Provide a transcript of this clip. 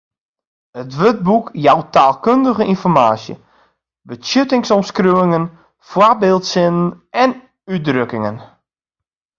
It wurdboek jout taalkundige ynformaasje, betsjuttingsomskriuwingen, foarbyldsinnen en útdrukkingen.